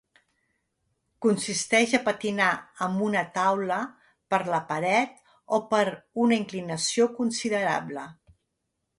Consisteix a patinar amb una taula per la paret o per una inclinació considerable.